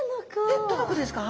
えっどの子ですか？